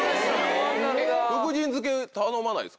福神漬け頼まないですか？